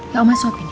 ya oma suapin ya